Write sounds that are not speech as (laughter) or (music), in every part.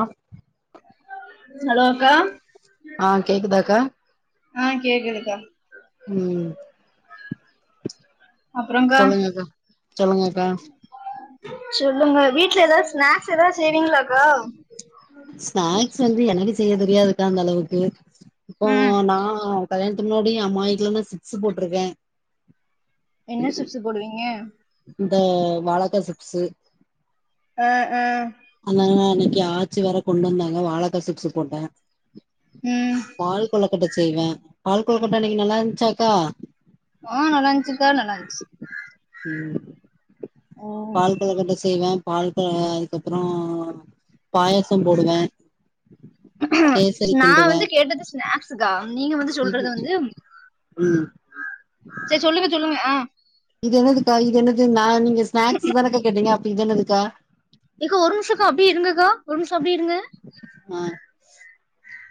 ஆஹ ஹலோ அக்கா ஆ கேக்குதாக்கா ஆ கேக்குதுக்கா ம் அப்புறம்க்கா சொல்லுங்கக்கா சொல்லுங்கக்கா சொல்லுங்க வீட்ல ஏதாவது ஸ்னாக்ஸ் எதாது செய்விங்களாக்கா ஸ்நாக்ஸ் வந்து எனக்கு செய்ய தெரியாதுக்கா அந்த அளவுக்கு இப்போ ம் நா கல்யாணத்துக்கு முன்னாடி அம்மா வீட்ல நா சிப்ஸு போட்ருக்கே என்ன சிப்ஸு போடுவீங்க இந்த வாழக்கா சிப்ஸு அ அ அந்தாங்க அன்னைக்கி ஆச்சி வேற கொண்டு வந்தாங்க வாழக்கா சிப்ஸு போட்டே ம் பால் கொளக்கட்ட செய்வே பால் கொளக்கட்ட அன்னைக்கு நல்லா இருந்ச்சாக்கா ஆ நல்லாஞ்சுக்கா நல்லாஞ்சு ம் பால் கொளக்கட்ட செய்வே பால்பல அதுக்கப்றோ கேசரி நா கிண்டுவே வந்து கேட்டது ஸ்நாக்ஸுக்கா அ நீங்க வந்து சொல்றது வந்து ம் செரி சொல்லுங்க சொல்லுங்க ஆ இது என்னதுக்கா இது என்னது நா நீங்க ஸ்நாக்ஸு தானக்கா கேட்டீங்க அப்ப இது என்னதுக்கா எக்கா ஒரு நிம்ஷக்கா அப்டியே இருங்கக்கா ஒரு நிம்ஷ அப்டியே இருங்க மா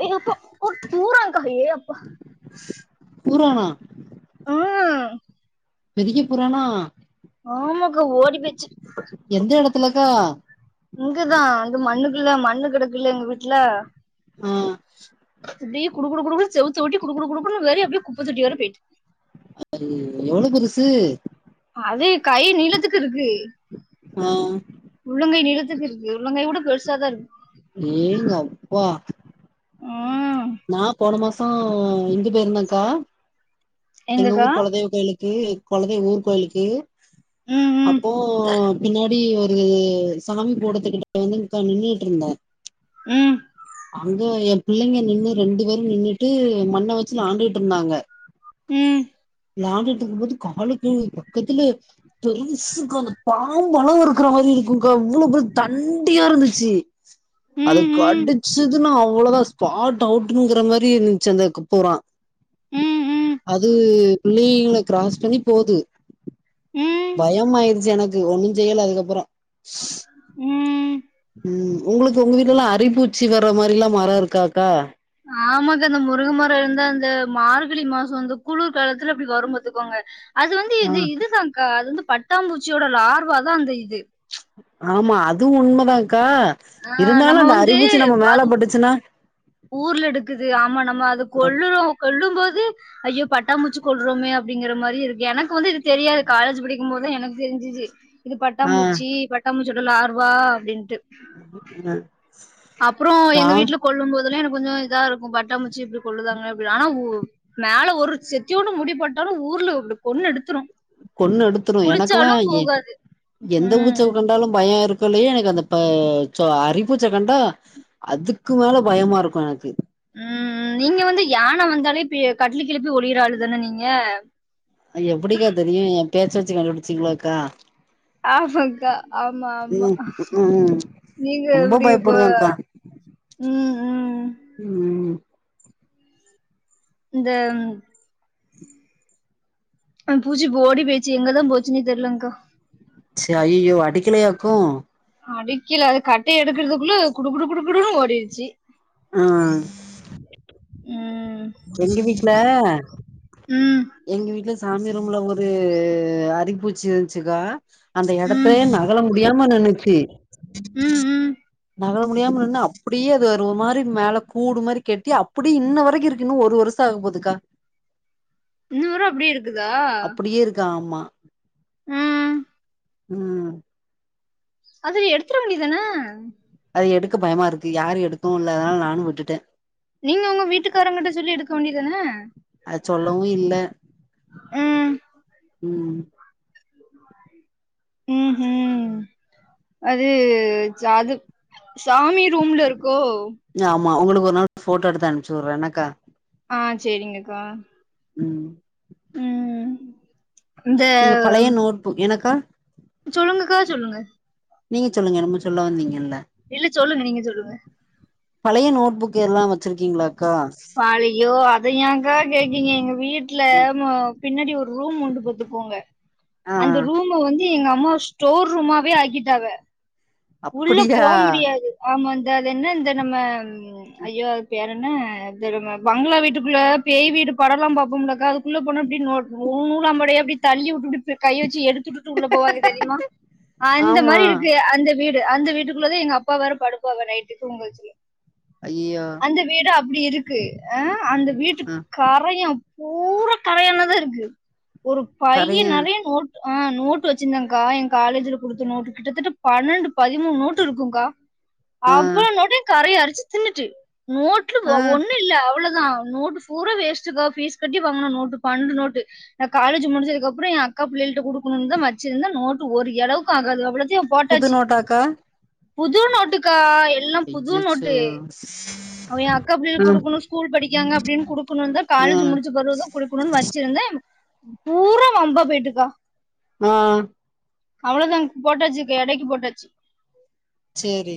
ஏ அப்பா ஒரு தூரங்க்கா ஏ அப்பா பூரானா ம் பெரிய பூரானா ஆமாக்கா ஓடி போய்ச்சு எந்த எடத்துலக்கா இங்குதா வந்து மண்ணுக்குல்ல மண்ணு கெடக்குல எங்க வீட்ல ஆ அப்டியே குடு குடு குடு குடுன் செவுத்த ஒட்டி குடு குடு குடு குடுன்னு வெளிய அப்டியே குப்ப தொட்டி வர போய்ட்டு அது எவ்ளோ பெருசு அது கை நீளத்துக்கு இருக்கு ஆ உள்ளங்கை நீளத்துக்கு இருக்கு உள்ளங்கை விட பெருசு ஏங்கப்பா ஆ நா போன மாசோ இங்கு போய்ருந்தங்க்கா எங்க எங்கக்கா ஊர் கொலதெய்வ கோயிலுக்கு கொலதெய்வ ஊர் கோயிலுக்கு ம் ம் அப்போ பின்னாடி இது சாமி போட்டத்துக்கிட்ட வந்துங்க்கா நின்னுட்ருந்த ம் அங்க எ பிள்ளைங்க நின்னு ரெண்டு பேரு நின்னுட்டு மண்ண வச்சு விளாண்டுட்ருந்தாங்க ம் விளாண்டுட்ருக்கும் போது காலுக்கு பக்கத்துல பெருசுக்கா அந்த பாம்பளவு இருக்குற மாரி இருக்குங்க்கா அவ்ளோ பெருசு தண்டியா இருந்துச்சு அதுக் ம் ம் கடுச் ச்சுசுனா அவ்வளோதா ஸ்பாட் அவுட்ங்கிற மாரி இருந்ன்ச்சு அந்த க பூரா ம் அது பிள்ளைங்கள கிராஸ் பண்ணி போது ம் ம் பயமாயிருச்சு எனக்கு ஒன்னு செய்யல அதுக்கப்பற ம் ம் உங்களுக்கு உங்க வீட்லலா அரிப்பூச்சி வர்ற மாரிலா மர இருக்காக்கா ஆமாக்கா இந்த முருங்கமர இருந்த அந்த மார்கழி மாசோ அந்த குளிர் காலத்துல அப்டி வரும் பாத்துகோங்க அது வந்து ஆ இது இதுதாங்க்கா அது வந்து பட்டாம்பூச்சியோட லார்வா தா அந்த இது ஆமா அது உண்மதாங்க்கா ஆ நம்ம இருந்தாலு அந்த அரிபூச்சி நம்ம மேலப்பட்டுச்சுனா ஊர்ல் எடுக்குது ஆமா நம்ம அத கொல்லுறோ சொல்லும் போது ஐயோ பட்டாம்பூச்சு கொல்றோமே அப்டிங்கிற மாரி இருக்கு எனக்கு வந்து இது தெரியாது காலேஜ் படிக்கும்போ துதா எனக்கு தெரிஞ்சிச்சு இது ஆ பட்டாம்பூச்சி பட்டாம்பூச்சியோட லார்வா அப்டின்ட்டு (unintelligible) அப்றோ நா எங்க வீட்ல கொல்லும் போதுலா எனக் கொஞ்ச இதா இருக்கு பட்டாம்பூச்சிய இப்டி கொல்லுதாங்களே அப்டினு ஆனா உ மேல ஒரு செத்தியோன்டு முடிப்பட்டாலு ஊ ஊர்லு இப்டி கோன்னு எடுத்துரு கொன்னு எடுத்துரு எனக்குலா குளிச்சாலு எ போகாது எந்த ம் ஊச்சவு கன்டாலு பய இருக் கொல்லயே எனக்கு அந்த ப சோ அரிப்பூச்ச கண்டா அதுக்கு மேல பயமாருக்கு எனக்கு ம் ம் நீங்க வந்து யான வந்தாலே பிய கட்லு கீல போய் ஒலிய்ற ஆளு தான நீங்க எப்புடிக்கா தெரியு எ பேச் வச்சு கண்டுபுடுச்சீங்ளோக்கா ஆமக்கா ஆமா ஆமா ம் ம் நீங்க ரொம்ப எவ்வுடி ப பயப்படுவங்க்கா ம் ம் ம் ம் இந்த ம் அ பூச்சிப்போ ஓடி பேச்சி எங்கதா போச்சுன்னே தெர்லங்க்கா சி ஐய்யோ அடிக்கலையாக்கு அடிக்கில அது கட்டை எடுக்குற்துக்குள்ளு குடு குடு குடு குடுன்னு ஓடிர்ச்சி ஆ ம் எங்கெ வீட்ல ம் எங்கி வீட்ல சாமி ரூம்ல ஒரு அரிப்பூச்சி இருந்ச்சிக்கா அந்த எடத்தே ம் நகல முடியாம நனுச்சி ம் ம் நகல முடியாம நின்னு அப்புடியே அது வரு ஒரு மாரி மேல கூடு மாரி கெட்டி அப்புடி இன்ன வரக்கு இருக்கு இன்னு ஒரு பொருசா ஆகு போதுக்கா ன்ன வர அப்டே இருக் அப்புடியே இருக் ஆமா ம் ம் அதுரி எடுத்துர வேண்டி தன அது எடுக்க பயமாருக்கு யாரு எடுக்கவு இல்ல அதுனால நானு விட்டுட்ட நீங்க ஒங்க வீட்டுக்காரங்குட்ட சொல்லி எடுக்க வேண்டி தான அத் சொல்லவு இல்ல ம் ம் ம் ஹு அது ஜாது சாமி ரூம்ல இருக்கோ மா ஒங்களுக் ஒரு நாள் போட்டோ எடுத்து அனும்ச்சுவுற்ற என்னக்கா ஆ சேரிங்கக்கா ம் ம் இந்த நீங்க பழைய நோட் புக் எனக்கா சொல்லுங்கக்கா சொல்லுங்க நீங்க சொல்லுங்க என்னமோ சொல்ல வந்தீங்கல்ல இல்ல சொல்லுங்க நீங்க சொல்லுங்க பலய நோட்புக் எல்லா வச்சிருக்கீங்ளாக் பாலயோ அத யாக்கா கேக்கீங்க எங்க வீட்ல ம் மோ பின்னடி ஒரு ரூம் உண்டு பத்துக்கோங்க ஆ அந்த ரூமு வந்து எங்க அம்மா ஸ்டோர் ரூமாவே ஆக்கிட்டாவ உள்ள அப்டியா போ முடியாது ஆமாந்து த அது என்ன இந்த நம்ம ஐயோ அது பேரன்ன தெரும பங்களா வீட்டுக்குள்ள பேய்வீடு படலா பாபோம்லக்கா அதுக்குள்ள போன அப்டே நோட் ஓ நூலாம்படையப்டி தள்ளி உட்டுட்டு கை வச்சு எடுத்துட்டுட்டு உள்ள போவாக தெரியுமா அந்த ஆமா மாரி இருக்கு அந்த வீட் அந்த வீட்டுக்குள்ள தா எங்க அப்பா வேரா படுப்பாவ நைட்டு தூங்கவச்சிரியே ஐயோ அந்த வீடு அப் ப்டி இருக்கு அ அந்த வீட்டுக் ஆ கரைய பூரா கரையன்ன தா இருக்கு ஒரு பையி கரைய நறைய நோட்டு ஆ நோட்டு் வச்சிர்ந்தங்க்கா எ காலேஜ்ல குடுத்த நோட்டு கிட்டத்திட்ட பனண்டு பதிமூண் நோட்டு இருக்குங்க்கா ஆ அவ்வள நோட்யு கரையை அரிச்சு தின்னுட்டு நோட்லு வ ஆ ஒன்னுல்ல அவ்ளோதா நோட்டு் பூரா வேஸ்டு கா பீஸ் கட்டி வாங்குன நோட்டு பன்ண்டு நோட்டு நா காலேஜ் முடிஞ்சதுக் அப்றோ எ அக்கா புள்ய இல்ட குடுக்கணுன்தா வச்சிருந்த நோட்டு ஒரு எளவுக்கு ஆகாது அவ்ளோ புது நோட்டாக்கா புது நோட்டுக்கா எல்லாம் புது நோட்டு பின்ஜிச்சோ அவ எ அக்கா பிள்ளைகளுக்கு குடுக்கணு ஸ்கூல் படிக்காங்க அப்டினு குடுக்கணுன்தா காலேஜ் ம் முடிச்ச பெறவுதா குடுக்கணுன் வச்சிருந்தே பூரா வம்பா போயிட்டுக்கா ஆ அவ்ளோதாங் போட்டாச்சிக எடைக்கு போட்டாச்சி சேரி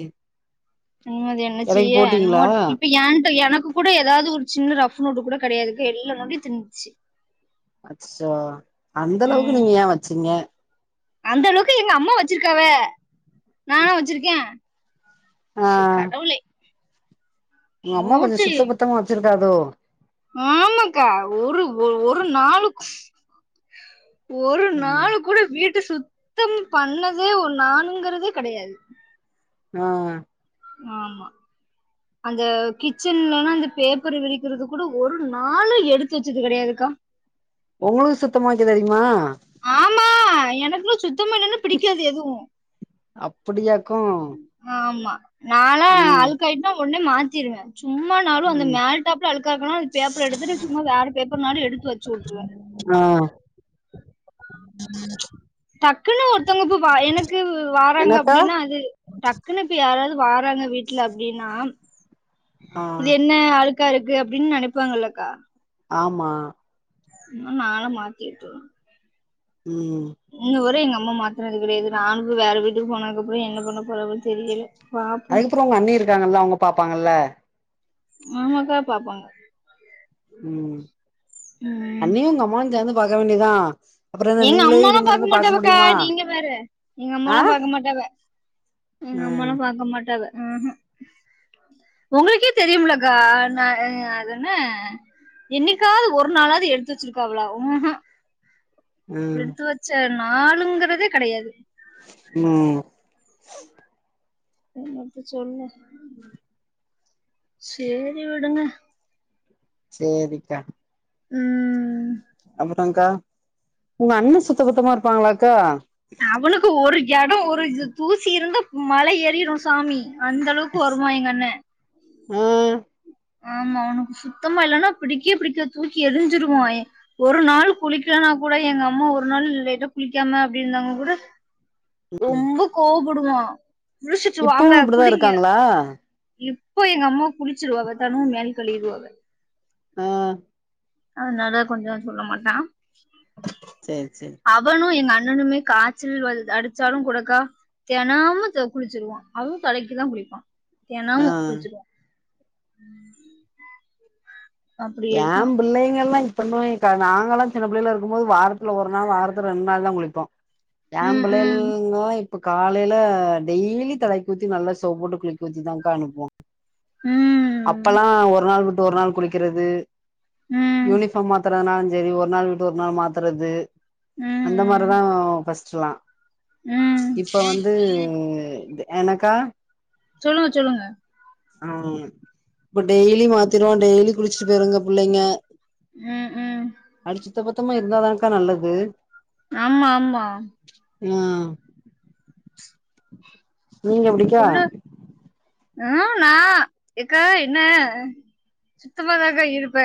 நிம்மதி என்ன எடைக்கு செய்ய போட்டீங்களா நோட் இப்ப ஏன் ட்ட எனக்கு கூட எதாது ஒரு சின்ன ரஃப் நோட்டு கூட கெடையாதுகா எல்லா நோட்டு திண்ச்சி அச்சச்சோ அந்தளவுக்கு நீங்க ஏ வச்சிங்க அந்தளவுக்கு எங்க அம்மா வச்சிருக்காவ நானா வச்சிருக்கே ஷோ கடவுளே உங்கம்மா கொஞ்சோ சுத்த பத்தமா வச்சிருக்காதோ ஆமக்கா ஒரு ஒ ஒரு நாளுக்கு ஒரு ம் நாளு கூட வீட் தி சுத்தம் பண்ணதே ஒன் நானுங்குறதே கெடையாது ஆ ஆமா அந்த கிச்சன்லனா அந்த பேப்பரு விரிக்கிறது கூட ஒரு நாளு எடுத்து வச்சது கெடையாதுக்கா ஒங்ளுக்கு சுத்தமா வக்கத் தெரிமா ஆமா எனக்குலா சுத்தமா இல்லனா‌ பிடிக்காது எதுவு அப்பிடியாக்கு ஆம்மா நாலா அழுக்காயிட்னா ஒன்னே மாத்திருவே சும்மாநாளு அந்த ம் மேல் டேப்ல அழுக்கா இருக்குனா ஒரு பேப்பர் எடுத்துட்டு சும்மா வேற பேப்பர்னாலு எடுத்து ‌வச்சு வுட்ருவோ ஆ டக்குனு ஒருத்தவங்க இப்ப வா எனக் க்கு வாறாங்க என்னக்கா அப்டினா அது டக்குன்னு இப்ப யாராது வாறாங்க வீட்ல அப்டினா ஆ இது என்ன அழுக்கா இருக்கு அப்டின் நெனைப்பாங்க இல்லக்கா ஆமா இன்னு நாலா மாத்தி விட்ருவ உம் அம்மா மாத்துறது கிடையாது நானும் இப்ப வேற வீட்டுக்கு போனதுக்கப்ற என்ன பண்ண போறாவன் தெரியல பாப்போ அதுக்கப்றோ ஒங்க அண்ணி இருக்காங்கல்ல அவுங்க பாப்பாங்கல்ல ஆமாக்கா பாப்பாங்க உம் ம் அண்ணியு உங்க அம்மாவு சேந்து பாக்க வேண்டிதா அப்ற என்ன எங்க நீங்களே அம்மாலா இருந்து இருந்து பாக்க மாட்டாவக்கா முடியுமா நீங்க வேற எங்க ஆ அம்மாலா பாக்க மாட்டாவ எங்க ம் அம்மாலா பாக்க மாட்டாவ ம் ம் ஒங்களுக்கே தெரியும்லக்கா நா அ அது என்ன என்னிக்காவது ஒரு நாளாவது எடுத்து வச்சிருக்காவளா ம் ம் ம் எடுத்து வச்ச நாளுங்குறதே கெடையாது உம் என்னத்தச் சொல்ல ‌ சேரி விடுங்க சேரிக்கா உம் அப்றங்கா உங்க அண்ண சுத்த பத்தமா இருப்பாங்ளாக்கா அவனுக்கு ஒரு எடோ ஒரு இ தூசி இருந்தா மல ஏறிரு சாமி அந்தளவுக்கு வருவா எங்கண்ண உம் ஆமா அவ்னுக் சுத்தமா இல்லனா பிடிக்வே பிடிக்காது தூக்கி எறிஞ்சுருவாயே ஒரு நாள் குளிக்லனா னாக்கூட எங்க அம்மா ஒரு நாள் லேட்டா குளிக்காம அப்டி இருந்தாங்க கூட ரொம்ப கோவப்படுவா குளிஷிட்டு வாங்க இப்பவு அப்டிதா குளிங்க இருக்காங்களா இப் இப்போ எங்க அம்மா குளிச்சிருவாவ தெனொ மேல் களியிடுவாக ஆ அதுனால கொஞ்சோ சொல்ல மாட்டா சேரி சேரி அவனு எங்க அண் ணனுமே காய்ச்சல் வந் அடிச்சாலு கூடக்கா தெனமு த குளிச்சிருவா அதுவு தலைக்கிதா குளிப்பா ஆ தெனமு குளிச்சிருவோ ம் ஏம்புள்ளைங்கல்லா இ பண்ணுவாய்ங்க்கா நாங்கல்லா சின்னப் புள்ளையலா இருக்கம் போது வாரத்துல ஒரு நாள் வாரத்துல ரெண்ட் நாள் தா குளிப்போ ம் ம் ஏம்புள்ளையள்ங்லா இப் ப காலைல டெய்லி தலக்கி ஊத்தி நல்லா சோப் போட்டு குளிக்க வெச்சி தாங்க்கா அனுப்புவோ ம் அப்பல்லா ஒரு நாள் விட்டு ஒரு நாள் குளிக்கெறது ம் யூனிஃபார்ம் மாத்றதுன்னாலு சேரி ஒரு நாள் விட்டு ஒரு நாள் மாத்துறது ம் அந்த ம் மாரிதா ஃபஸ்ட்டுலா ம் இப்ப வந்து து என்னக்கா சொல்லுங்க சொல்லுங்க ஆ இப்ப டெய்லி மாத்திருவா டெய்லி குளிச்சிட்டு போய்ருங்க புள்ளைங்க ம் ம் சுத்தபத்தமா இருந்தாதாங்க்கா நல்லது ஆமா ஆமா ம் நீங்க எப்டிக்கா புள்ள ஆ நா எக்கா என்ன சுத்தமாதாக்கா இருப்ப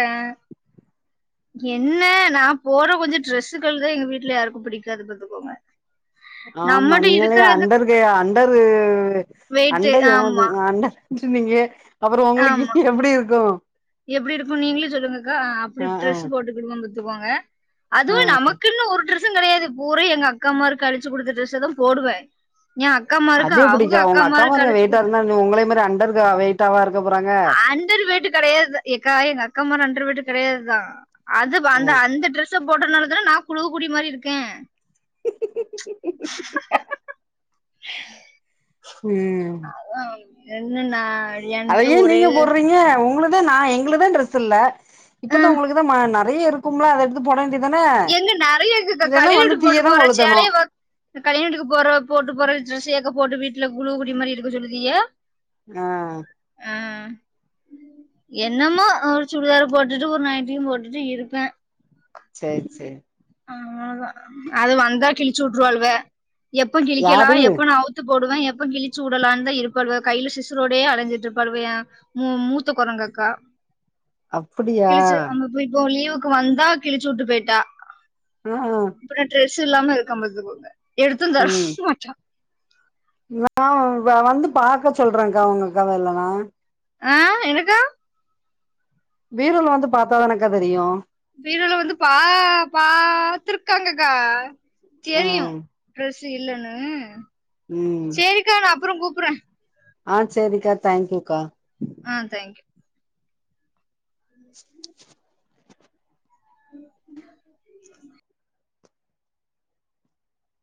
என்ன நா போர்ற கொஞ்சொ ட்ரெஸ்ஸுக்கள்தே எங்க வீட்ல யாருக்கும் புடிக்காது பாத்துக்கோங்க ஆமா நம்மட்ட நீங்களே இருக்கிற அந்த அண்டர் கே அண்டரூ வெயிட்டு அண்டர் ஆமா (unintelligible) அண்டர் விட்ருந்தீங்க அப்பறோ உங்களுக்கு ஆமா எப்டி இருக்கு எப்டி இருக்கு நீங்களே சொல்லுங்கக்கா அப்டி ஆ ஆ ட்ரெஸ்ஸு போட்டுக்குடுவோ பாத்துக்கோங்க அதுவு நமக்குனு ஒரு ட்ர ஸ்ஸுங் கடையாது பூரா எங்க அக்காம்மாரு கழிச்சிகெ குடுத்த ட்ரெஸ்ஸதா போடுவ அத எப்டிக்கா உங்க அக்காமாருங்க அழிச்சு குடுத்த வெயிட்டாருந்தாஞ்சொ உங்களய மாரி அண்டர்கா வெயிட்டாவா இருக்க போறாங்க கடையாது எக்கா எங்க அக்காமாரு அண்டர்வெயிட்டு கெடையாத்தா அது ப அந்த ம் அந்த ட்ரெஸ் ஸ போட்றனாலதா நா குழுகு குடி மாரி இருக்க ம் என்னன்னா அழியன் அத ஏ நீங்க போர்றீங்க உங்களுக் தா நா எங்களுதா ட்ரெஸ் இல்ல ஆ, இப்பதா உங்களுக்கு தா மா நறைய இருக்கும்ல அத எடுத்து போட வேண்டியத் எங்க நறையாருக்குக்கா கல்யாண வீட்டுக் போட்டு தீயதா போறச் கொளுத்தணு சேலைய வ கல்யாண வீட்டுக்கு போற போட்டு போற ட்ரெஸ்ஸயாக்கா போட்டு வீட்ல குழுகு குடி மாரி இருக்க சொல்லுதிய ஆ என்னமோ ஒரு சுடிதார போட்டுட்டு ஒரு நைட்டியும் போட்டுட்டு இருப்ப சேர் சேர் அவ்ளதா அது வந்தா கிழிச்சி உட்ருவாளுவ எப்ப கிழிக்கெலா யாரு எப்ப நா அவுத்துப் போடுவ எப்ப கிழிச்சுவுடலான்தா இருப்பாளுவ கைல சிசரோடயே அலஞ்சிட்ருப்பாளுவ ஏ மூ மூத்த கொரங்க க்கா அப்டியா கிழிச்சி அம் ப இப்ப வலியு கு வந்தா கிழிச்சி உட்டுப் போய்ட்டா அ அ சு இல்லாம இருக்கம் பாத்துக்கோங்க எடுத்துந் தர மாட்டா நான் வ வந்து பாக்க சொல்றேகா உங்க அக்காவ இல்லனா ஆ எனக்கா பீரோல வந்து பாத்தா தானக்கா தெரியு பீரோல வந்து பா பாத்துருக்காங்க க்கா தெரியு ம் டிரெஸ்சு இல்லன்னு ம் சரிக்கா நா அப்றோ கூப்றே ஆ சேரிக்கா தேங்க்யூக்கா ஆ தேங்க்யூ